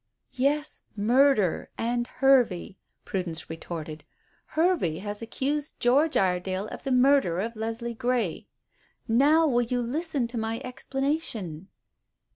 "Yes, 'murder' and 'Hervey,'" Prudence retorted. "Hervey has accused George Iredale of the murder of Leslie Grey. Now will you listen to my explanation?"